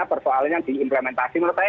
persoalannya diimplementasi menurut saya